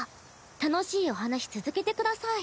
楽しいお話続けてください。